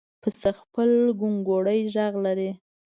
پسه خپل ګونګړی غږ لري.